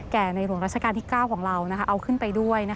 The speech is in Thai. ในหลวงราชการที่๙ของเราเอาขึ้นไปด้วย